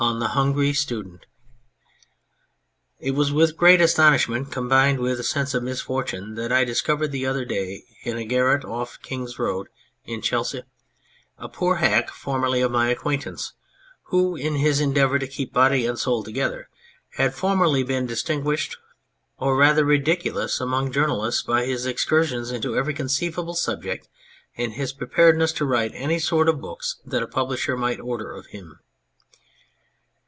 THE HUNGRY STUDENT IT was with great astonishment combined with a sense of misfortune that I discovered the other day in a garret off the King's road in Chelsea a poor hack formerly of my acquaintance, who in his endeavour to keep body and soul together had formerly been distinguished or rather ridiculous among journalists by his excursions into every conceivable subject and his preparedness to write any sort of books that a publisher might order of him.